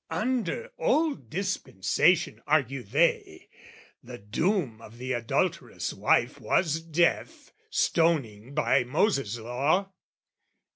Under old dispensation, argue they, The doom of the adulterous wife was death, Stoning by Moses' law.